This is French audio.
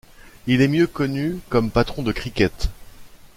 Il est mieux connu comme patron de cricket.